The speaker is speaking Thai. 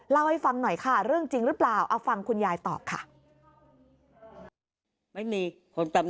เล่าให้ฟังหน่อยค่ะเรื่องจริงหรือเปล่าเอาฟังคุณยายตอบค่ะ